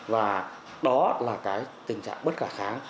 và đó là cái tình trạng bất khả kháng